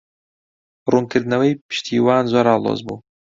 ڕوونکردنەوەی پشتیوان زۆر ئاڵۆز بوو.